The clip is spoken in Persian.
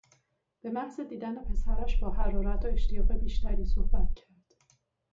به محض دیدن پسرش با حرارت و اشتیاق بیشتری صحبت کرد.